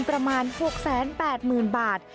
ประมาณ๖๘๐๐๐บาท